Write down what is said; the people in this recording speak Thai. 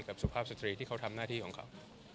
สุภาพสตรีที่เขาทำหน้าที่ของเขา